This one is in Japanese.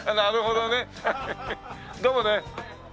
どうもね。